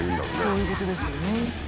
そういうことですよね。